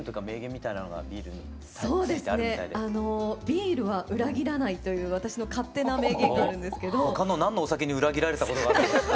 ビールは裏切らないという私の勝手な名言があるんですけど他の何のお酒に裏切られたことが。